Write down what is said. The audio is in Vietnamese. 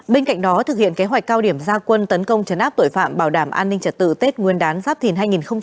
bên cạnh đó thực hiện kế hoạch cao điểm gia quân tấn công chấn áp tội phạm bảo đảm an ninh trật tự tết nguyên đán giáp thìn hai nghìn hai mươi bốn